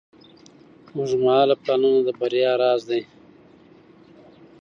اوږدمهاله پلانونه د بریا راز دی.